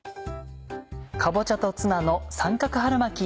「かぼちゃとツナの三角春巻き」